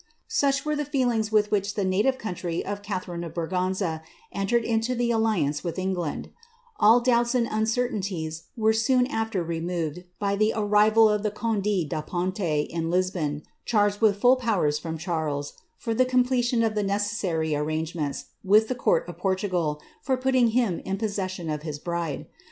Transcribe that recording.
'^' Such were the feelings with which the native of Catharine of Braganza entered into the alliance with Eng All doubts and uncertainties were soon after removed by the ar the conde da Ponte in Lisbon, charged with full powers from ^ for the completion of the necessary arrangements with the ' Portugal for putting him in possession of his bride.